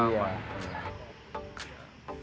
saya pun meminta ini